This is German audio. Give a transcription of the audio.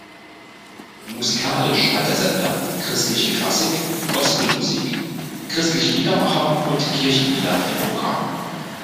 Musikalisch hat der Sender christliche Klassik, Gospelmusik, christliche Liedermacher und Kirchenlieder im Programm.